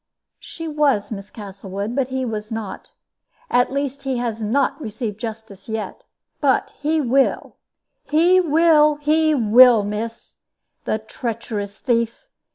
"She was, Miss Castlewood; but he was not; at least he has not received justice yet. But he will, he will, he will, miss. The treacherous thief!